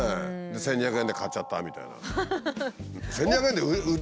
「１，２００円で買っちゃった」みたいな。